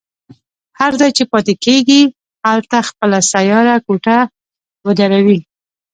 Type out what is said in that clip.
هر ځای چې پاتې کېږي هلته خپله سیاره کوټه ودروي.